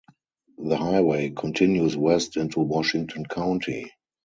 The highway continues west into Washington County.